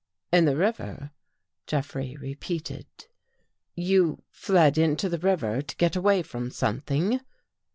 "In the river," Jeffrey repeated. "You — fled into the river to get away from something?